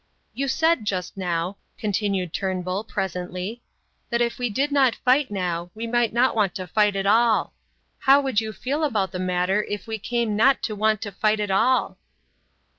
"You said, just now," continued Turnbull, presently, "that if we did not fight now, we might not want to fight at all. How would you feel about the matter if we came not to want to fight at all?"